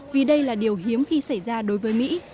vì đây là điều hiếm khi xảy ra đối với mỹ